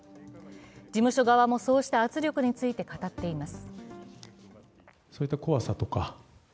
事務所側も、そうした圧力について語っています。